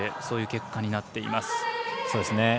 そういう結果になっています。